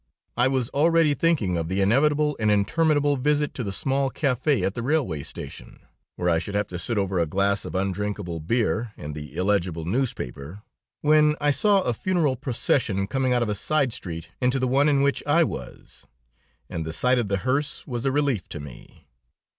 I was already thinking of the inevitable and interminable visit to the small café at the railway station, where I should have to sit over a glass of undrinkable beer and the illegible newspaper, when I saw a funeral procession coming out of a side street into the one in which I was, and the sight of the hearse was a relief to me.